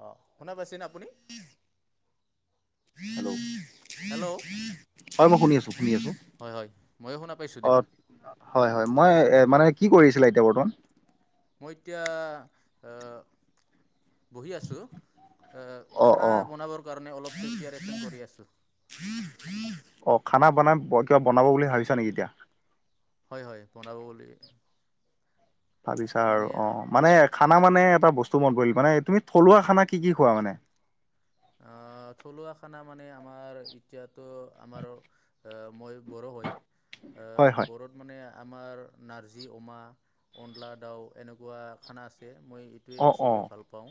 অ, শুনা পাইছেনে আপুনি? হেল্ল', হেল্ল' হয় মই শুনি আছো। শুনি আছো হয় হয় ময়ো শুনা পাইছোঁ দে অ, হয় - হয় মই মানে কি কৰি আছিলা এতিয়া বৰ্তমান। মই এতিয়া বহি আছো। অ খানা অ বনাবৰ কাৰণে অলপ প্ৰিপাৰ চন কৰি আছো। অ, খানা বনা কিবা বনাব বুলি ভাবিছা নেকি এতিয়া। হয় - হয় বনাব বুলি। ভাবিছা আৰু অ, মানে খানা মানে এটা বস্তু মই কৰিলো। মানে তুমি থলুৱা খানা কি- কি খোৱা মানে? অ, থলুৱা খানা মানে আমাৰ এতিয়াতো আমাৰ মই বড়ো হয় হয় হয় বড়ত মানে। আমাৰ নাৰ্জী অমা অলা দাও এনেকুৱা খানা আছে। মই এইটোৱে অ অ বেছিকৈ ভাল পাও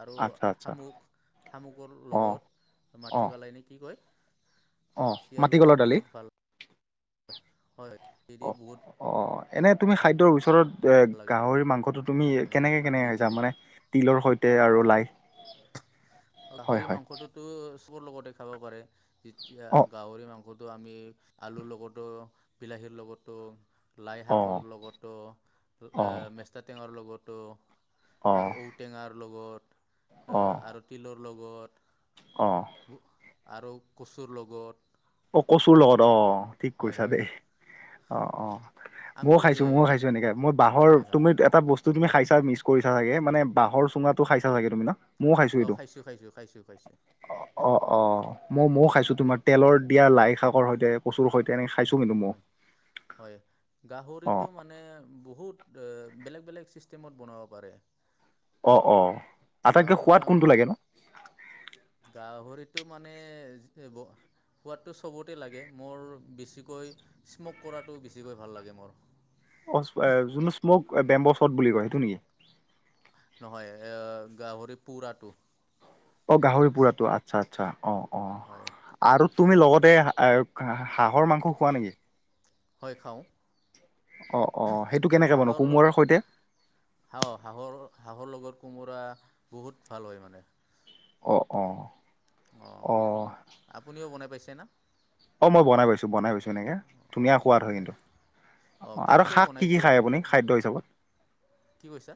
আৰু আচ্ছা আচ্ছা শামুক শামুকৰ অ লগত অ মাটি কলাই ন কি কয় অ, ইয়াৰ লগত মাটিকলৰ দালি। বহুত ভাল হয় সদি অ বহুত। অ এনে তুমি ভাল খাদ্যৰ ওচৰত এ লাগে গাহৰি মাংসটো তুমি মানে কেনেকে - খাৰ দি কেনেকে যা কিনে মানে তিলৰ সৈতে আৰু লাই হয় গাহৰি হয় মাংসটোতো চবৰ লগতে খাব পাৰে যেতিয়া অ গাহৰি মাংস লগতো আমি আলুৰ লগতো বিলাহীৰ লগতো লাই অ শাকৰ লগতো অ মেষ্টা টেঙাৰ লগত। অ আৰু ঔটেঙাৰ লগত অ আৰু তিলৰ লগত। অ', আৰু কচুৰ লগত। অ, কচুৰ লগত অ, ঠিক হয় কৈছা হয় দেই অ - অ। আমি ময়ও খাইছো ময়ও খাইছো এনেকে মই বাহৰ হয় হয় তুমি এটা বস্তু তুমি খাইছা মিছ কৰিছা চাগে মানে বাহৰ চুঙাতটো খাইছা চাগে তুমি ন। ময় খাইছো অঁ এইটো খাইছোঁ খাইছোঁ খাইছোঁ খাইছোঁ অ - অ মই ময়ো খাইছো তোমাৰ তেলৰ এতিয়া লাই শাকৰ সতে কচুৰ সৈতে। এনেকে খাইছো কিন্তু ময়ো হয় - হয় অ গাহৰিটো মানে বহুত বেলেগ - বেলেগ চিষ্টেমত বনাব পাৰে। অ - অ আটাইতকে গাহৰিটো সোৱাদ আমি কোনটো লাগে ন। ভৰিতটো মানে সোৱাদটো চবতে লাগে মোৰ বেছিকৈ স্মক কৰাটো বেছিকৈ ভাল লাগে মোৰ যোন স্মক বেম্ব শট বুলি কয় সেইটো নেকি। নহয় এ গাহৰি পোৰাটো অ, গাহৰি পোৰাতটো আচ্ছা - আচ্ছা অ, অ হয়। আৰু তুমি লগতে হাহৰ মাংস খোৱা নেকি? হয় খাও। অ - অ সেইটো কেনেকে বনো কোমোৰাৰ সৈতে। হাহৰ লগত কোমোৰা বহুত ভাল হয় মানে। অ - অ। অ, অ আপুনিও বনাই পাইছে না। অ, মই বনাই পাইছো - বনাই পাইছো এনেকে অঁ ধুনীয়া সোৱাদ হয় কিন্তু। অঁ আৰু কেনেকৈ শাক বনায় কি - কি এইটো খায় আপুনি খাদ্যয় হিচাপত কি কৈছা?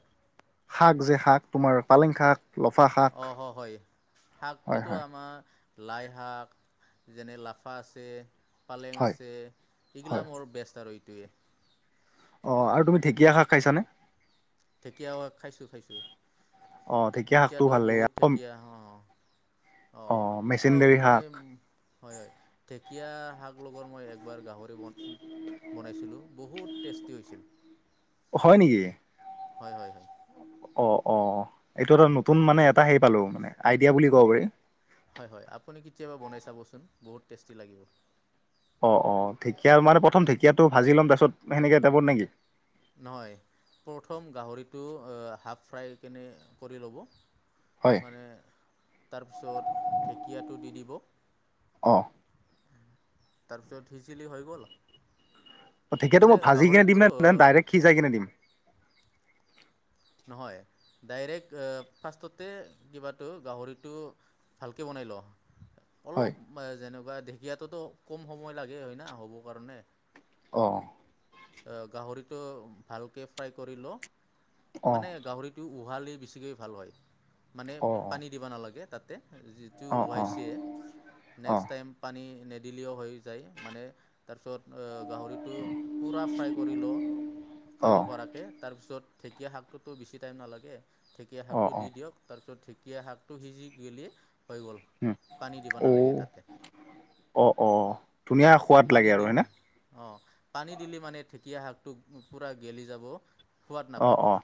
শাক যে শাক তোমাৰ পালেং শাক লফা শাক অ হয় হয় হয় শাকটোতো হয় আমাৰ লাইশাক যেনে লাফা আছে পালেং হয় আছে হয় এইগিলা মোৰ বেষ্ট আৰু এইটোৱে অ আৰু তুমি ঢেকীয়া শাক খাইছানে ঢেকীয়াও খাইছোঁ খাইছোঁ অ', ঢেকীয়া শাকটো এতিয়াত ভাল লাগে বহুত ঢেকীয়া অ অ আৰু মেচিনডেৰী মই শাক হয় হয় ঢে ঢেকীয়া শাক লগত মই একবাৰ গাহৰি বন বনাইছিলোঁ বহুত টেষ্টি হৈছিল অ হয় নিকি হয় হয় হয় অ অ এইটো এটা নতুন মানে এটা হেই পালো মানে আইডিয়া বুলি কব পাৰি হয় হয় আপুনি কেতিয়াবা বনাই চাবচোন বহুত টেষ্টি লাগিব অ অ ঢেকীয়া মানে প্ৰথম ঢেকীয়াটো ভাজি ল'ম তাৰপিছত সেনেকে টাইপত নেকি নহয় প্ৰথম গাহৰিটো হাফ ফ্ৰাই কেনে কৰি ল'ব হয় মানে তাৰপিছত ঢেঁকীয়াটো দি দিব অ তাৰপিছত হিচিলি হৈ গল ঢেকিয়াটো মানে মই ভাজি কিনে গাহৰিটো দিম নে নে ডাইৰেক্ট সিজাই কিনে দিম নহয় ডাইৰেক্ট ফাৰ্ষ্টতে কিবাটো গাহৰিটো ভালকে বনাই লৱ হয় অলপ যেনেকুৱা ঢেকীয়াটোতো কম সময় লাগে হয় নে হ'ব কাৰণে অঁ অহ, গাহৰিটো ভালকৈ ফ্ৰাই কৰি ল, অ', মানে গাহৰিটো উহালি বেছিকৈ ভাল হয়, মানে অ', পানী দিব নালাগে তাত যিটো অ', অ', ৱাইছে, অ', অ'। নেক্স টাইম পানী নেদিলেও হয়। মানে তাৰ পিছত গাহৰিটো পুৰা ফ্ৰাই কৰি ল খাব অ', পৰাকে, তাৰ পিছত ঢেঁকীয়া শাকটোতো বেছি টাইম নালাগে। ঢেঁকীয়া অ', শাকটো দি অ', দিয়ক, তাৰ পিছত ঠিক এতিয়া শাকটো সিজি গিলে উ, অ', অ', অ' ধুনীয়া সো ৱাদ লাগে, আৰু হয় না অ', পানী দিলে, মানে, ঢেকীয়া শাকটো পুৰা গেলি যাব। সোৱাদ অ', নাপাব অ'।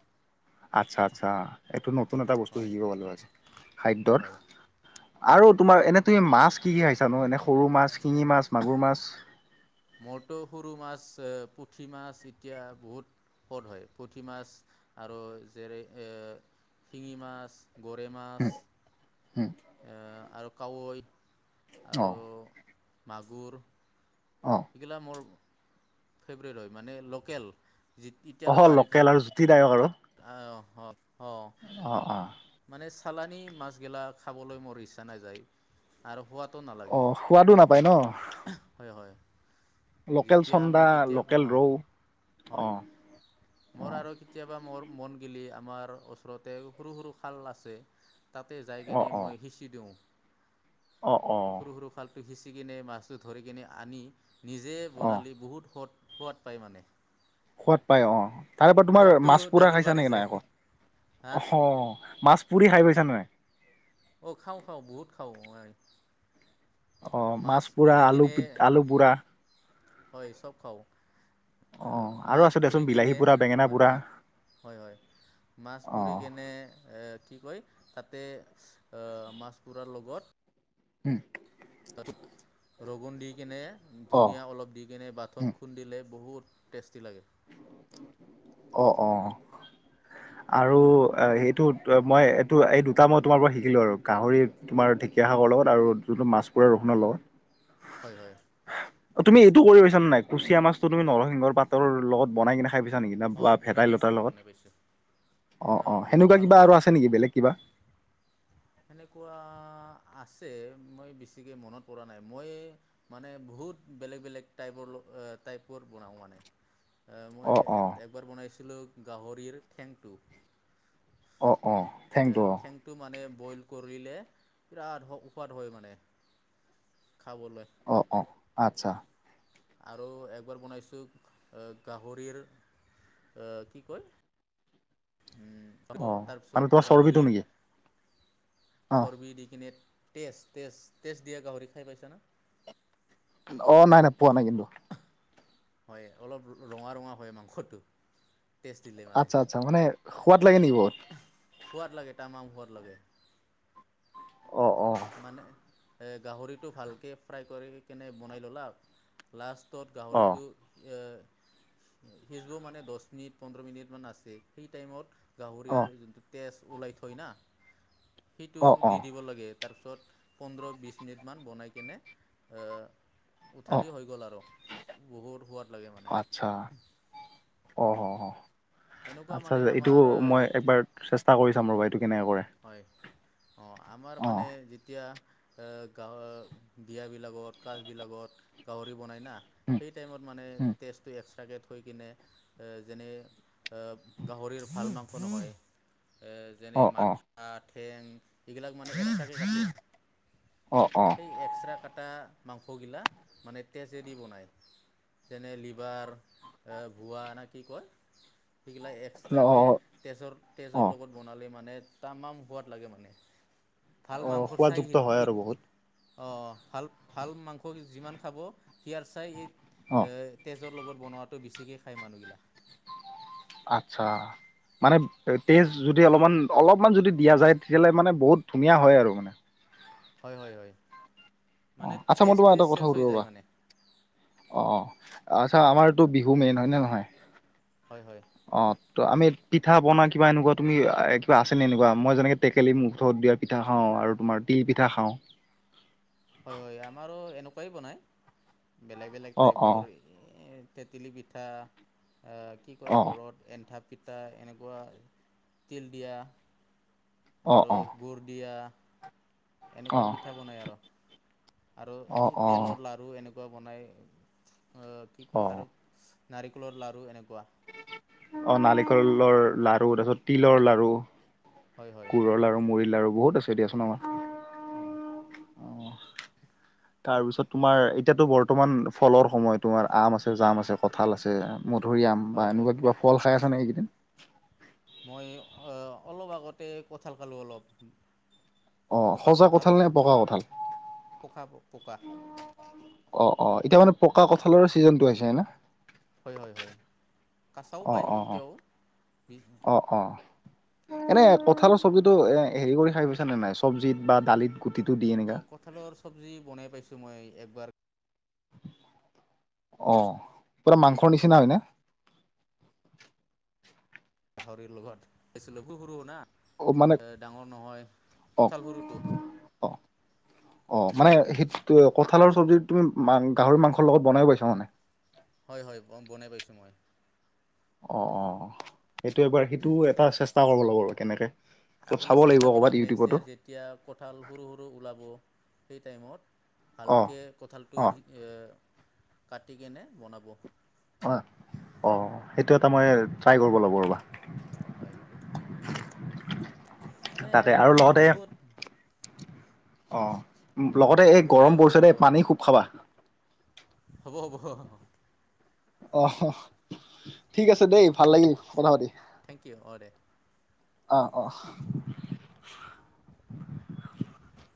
আচ্ছা, আচ্ছা! এইটো নতুন এটা বস্তু হয় শিকিব পালোঁ আজি। খাদ্যৰ, হয় হয় আৰু তোমাৰ এনে তুমি মাছ কি কি খাইছা নো? এনে সৰু মাছ শিঙি মাছ, মাগুৰ মাছ। মোৰতো সৰু মাছ, পুঠি মাছ, এতিয়া বহুত পদ হয়, পুঠি মাছ, আৰু যেৰে এই শিঙি মাছ। গৰে মাছ। হু আৰু কাৱৈ আৰু মাগুৰ। অ', এগিলা মোৰ ফেবৰেট হয়, মানে, লোকেল। অ', লকেল, আৰু জুতিদায়ক, আৰু। অহ হঅ 'হ, অ', অ'। মানে চালানি মাছগিলা খাবলৈ মোৰ ইচ্ছা নাযায়, আৰু সোৱাদ অ', সোৱাদো নাপায়, ন? হয় হয় লোকেল যেতিয়া আমি চন্দা, কেতিয়াবা লোকেল অ', ৰৌ হয়, অ', মোৰ। অ', আৰু কেতিয়াবা মোৰ মন গে'লে, আমাৰ ওচৰতে সৰু সৰু খাল আছে। তাতে যাই অ', কেনে অ', মই সিঁচি দিওঁ। অ অ তো, সিচি কিনে মাছটো ধৰি কিনে আনি নিজে অ'। বনালে, বহুত সোৱাদ সোৱাদ পায়, মানে। সোৱাদ পায় অ', তাৰে পৰা, তোমাৰ মাছ সোৱাদটো পোৰা ডাবুল খাইছা বাঢ়ি নেকি, নাই আক যায় অ', হা মাছ পুৰি খাই পাইছা, নাই? অঁ, খাওঁ, খাওঁ বহুত খাওঁ মই। অ', মাছ পোৰা, পুৰি কিনে আলু পোৰা। হয়, চব খাওঁ। অ আৰু মাছ আছে দেচোন পুৰি বিলাহী কেনে পুৰা বেঙেনা হয়, পুৰা হয়। হয়, হয়, মাছ অ পুৰি কেনে কি কয়? তাতে মাছ পুৰাৰ লগত উম', ৰগুন দি কিনে, অ ধুনীয়া অলপ দি কিনে, উম বাথন খুন্দিলে বহুত। টেষ্টি লাগে। অ', অ' আৰু অ', সেইটোত মই এইটো, এই দুটা মই তোমাৰ পৰা শিকিলোঁ, আৰু। গাহৰি, হয় তোমাৰ ঢেকীয়া শাকৰ লগত, আৰু যিটো মাছ ৰান্ধো ৰগুণৰ লগত। হয়, হয়। তুমি এইটো কৰিবছা নাই? কুচিয়া, ৰিংহ পাতৰ লগত বনাই কিনে খাইছা? নেকি না, অঁ বা বনাই ভেদাই লতাৰ পাইছোঁ বনাই লগত। পাইছোঁ অ', অ', বহুত সেনেকুৱা ভাল কিবা আৰু আছে নেকি, বেলেগ কিবা? তেনেকুৱা আছে, মই বেছিকে মনত পৰা নাই, মই মানে বহুত বেলেগ বেলেগ টাইপৰ টাইপৰ বনাওঁ, মানে। [unintelligible] মই অ একবাৰ বনাইছিলোঁ গাহৰিৰ ঠেংটো। অঁ অঁ থেংটো [inaudible] ঠেংটো মানে বইল কৰিলে বিৰাট সুৱাদ হয় মানে খাবলৈ! অ অ আচ্ছা। আৰু একবাৰ বনাইছোঁ গাহৰিৰ আহ কি কয়? অ উম মানে তাৰপিছত তোমাৰ চৰ্বিটো গাহৰিৰ নেকি অ চৰ্বি দি কিনে টেষ্ট টেষ্ট দিয়া গাহৰি খাই পাইছা নাই? অ নাই নাই পোৱা নাই কিন্তু! হয় অলপ ৰঙা ৰঙা হয় মাংসটো! তেজ দিলে মানে। আচ্ছা আচ্ছা মানে সোৱাদ লাগে নেকি বহুত সোৱাদ লাগে তামাম সোৱাদ লাগে অ', অ', মানে- গাহৰিটো ভাল কৈ ফ্ৰাই কৰি কেনে বনাই ল'লা লাষ্ট ত'ত অ'। গাহৰিটো সেইচবোৰ মানে দহ মিনিট পোন্ধৰ মিনিট মান আছে সেই টাইমত [inaudible] গাহৰিৰ অ', যোনটো তেজ ওলাই থয় না সেইটো অ', দি অ', দিব লাগে তাৰপিছত পোন্ধৰ বিছ মিনিটমান বনাই কেনে অ', উঠালি হৈ গ'ল আৰু বহুত সোৱাদ লাগে মানে আচ্ছা অ', অ', অ'। এনেকুৱা আচ্ছা মানে আ এইটো আমাৰ মই যি একবাৰ চেষ্টা কৰি চাম ৰবা এইটো কেনেকে কৰে। হয় অঁ আমাৰ অ', মানে যেতিয়া অ গাওঁৰ বিয়া বিলাকত কাজ বিলাকত গাহৰি বনাই না উম, হেই টাইম ত মানে উম, টেষ্ট টো এক্সট্ৰা থৈ কিনে যেনে এ গাহৰিৰ ভাল মাংস নহয় যেনে অ', অ', মাঠা, ঠেং এইবিলাক মানে এক্সট্ৰা কে কাটে অ', অ', সেই এক্সট্ৰা কটা মাংসগিলা মানে তেজেদি বনায়। যেনে লিভাৰ ভুৱা এনে কি কয় সেইগিলাক অ', এক্সট্ৰা কে অ'। তেজৰ তেজৰ অ', লগত বনালে মানে তামাম সোৱাদ লাগে মানে। অ সোৱাদযুক্ত হয় আৰু বহুত অ ভাল ভাল মাংস যিমান খাব সিয়াৰ চাই অ', মাংস লগত বনোৱাটো বেছিকে খায় মানুহগিলাক আচ্ছা মানে তেজ হয় যদি অলপমান অলপমান যদি দিয়া যায় তেতিয়ালে মানে বহুত ধুনীয়া হয় আৰু মানে হয় হয় হয় অ মানে আচ্ছা মই তোমাৰ টেষ্টটোৱে এটা কথা চেঞ্জ সুধো হৈ ৰবা যায় মানে অ অঁ অ আচ্ছা আমাৰ টো বিহু মেইন হয় নে নহয় হয় হয় অ ত আমি পিঠা পনা কিবা আছে নে এনেকুৱা তুমি এ কিবা আছে নে এনেকুৱা মই যেনেক টেকেলি মুখত দিয়া পিঠা খাওঁ আৰু তোমাৰ তিল পিঠা খাওঁ হয় হয় আমাৰো এনেকুৱাই বনায় বেলেগ বেলেগ অ অ টাইপৰ তেকেলি পিঠা কি কয় অ বৰ পিতা এনেকুৱা তিল দিয়া অ আৰু অ গুড় দিয়া অ এনেকুৱা পিঠা বনাই আৰু আৰু অ এই অ তেলৰ লাৰু এনেকুৱা ক বনাই কি অ কয় আৰু নাৰিকলৰ লাৰু এনেকুৱা [inaudible] আহ নাৰিকলৰ লাড়ু তাৰপিছত তিলৰ লড়ু হয় হয় গুড়ৰ লাৰু মুড়িৰ লাৰু বহুত আছে দিয়াচোন আমাৰ অঁ অঁ তাৰপিছত তোমাৰ এতিয়াতো বৰ্তমান ফলৰ সময় তোমাৰ আম আছে জাম আছে কঁঠাল আছে মধুৰিআম হয় বা হয় এনেকুৱা কিবা ফল খাই আছা নে কি মই অ অলপ আগতে কঁঠাল খালো অলপ পকা সচা কঁঠাল কঠাল নে পকা কঠাল পকা পকা অ অ এতিয়া মানে পকা কঁঠালৰ ছিজন টো হৈছে ন হয় হয় হয় কাছাও অ পায় অ অ এতিয়াও বি অ অ এনে কঠালৰ চব্জিতটো এ হেৰি কৰি খাই পাইছা নে নাই চব্জিত বা দালিত গুটিটো দি এনেকা অ কঁঠালৰ চব্জি বনাই পাইছো মই একবাৰ অহ পুৰা মাংসৰ নিচিনা হয়নে [unintelligible] গাহৰিৰ লগত আহিছিলো সুৰু সুৰু না অ মানে ডাঙৰ নহয় অ কঁঠাল সৰুটো [inaudible] অ অ মানে সেইটো কঁঠালৰ চবজি তুমি গাহৰি মাংসৰ লগত বনাই পাইছা মানে হয়-হয় অ' বনাই পাইছোঁ মই। অ'-অ' সেইটো এবাৰ সেইটো এটা চেষ্টা কৰিব লাগিব আৰু কেনেকে অলপ আপুনি চাব লাগিব চেষ্টা ক'ৰবাত কৰক নেক্স ইউটিউবতো ইয়াৰ যেতিয়া কঁঠাল সৰু-সৰু ওলাব সেই টাইমত অ ভালকে অ কঁঠালটো কাটি কেনে বনাব। অ'-অ' সেইটো এটা মই ট্ৰাই কৰিব লাগিব ৰ'বা হয় [unintelligible] মানে তাকে আৰু লগতে বহুত অ' লগতে এই বহুত গৰম টাইপৰ পৰিছে দে পানী খুব খাবা। হ'ব-হ'ব হ। অ' ঠিক আছে দেই ভাল অঁ লাগিল কথা পাতি। থেংক ইউ অঁ দে আ অ' [inaudible]